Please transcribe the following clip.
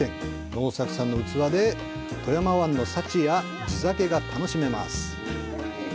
能作さんの器で富山湾の幸や地酒が楽しめます。